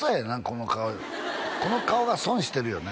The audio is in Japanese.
この顔この顔が損してるよね